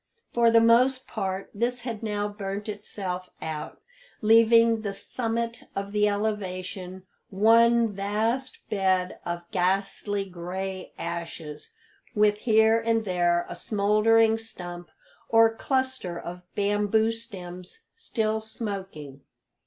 For the most part this had now burnt itself out, leaving the summit of the elevation one vast bed of ghastly gray ashes, with here and there a smouldering stump or cluster of bamboo stems still smoking.